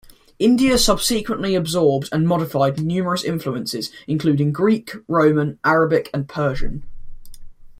India subsequently absorbed and modified numerous influences, including Greek, Roman, Arabic and Persian.